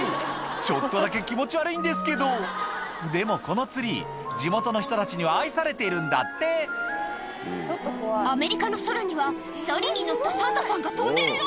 ちょっとだけ気持ち悪いんですけどでもこのツリー地元の人たちには愛されているんだってアメリカの空にはソリに乗ったサンタさんが飛んでるよ！